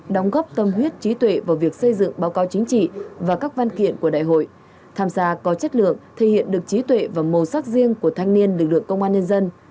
đóng góp tâm huyết trí tuệ vào việc xây dựng báo cáo chính trị và các văn kiện của đại hội tham gia có chất lượng thể hiện được trí tuệ và màu sắc riêng của thanh niên lực lượng công an nhân dân